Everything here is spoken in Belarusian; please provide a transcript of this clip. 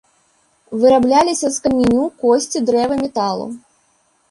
Вырабляліся з каменю, косці, дрэва, металу.